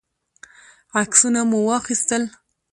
عکسونه مو واخیستل.